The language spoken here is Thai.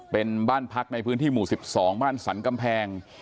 เป็นบ้านพักในพื้นที่หมู่๑๒บ้านสรรกำแพง